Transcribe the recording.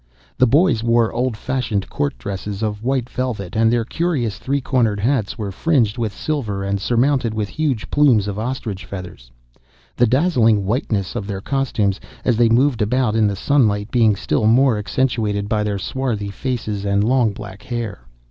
The boys wore old fashioned court dresses of white velvet, and their curious three cornered hats were fringed with silver and surmounted with huge plumes of ostrich feathers, the dazzling whiteness of their costumes, as they moved about in the sunlight, being still more accentuated by their swarthy faces and long black hair.